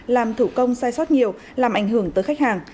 làm thủ công sai sót nhiều làm ảnh hưởng tới khách hàng